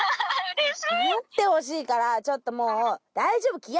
なってほしいからちょっともう「大丈夫！